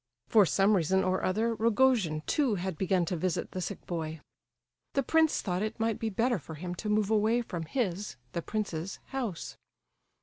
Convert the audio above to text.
For some reason or other, Rogojin too had begun to visit the sick boy. The prince thought it might be better for him to move away from his (the prince's) house.